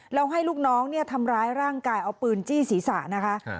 แล้วให้ลูกน้องเนี่ยทำร้ายร่างกายเอาปืนจี้ศีรษะนะคะ